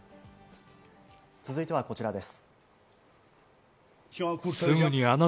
続いては、こちらです。